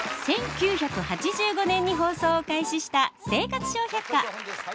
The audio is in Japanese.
１９８５年に放送を開始した「生活笑百科」。